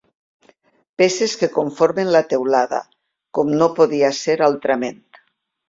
Peces que conformen la teulada, com no podia ser altrament.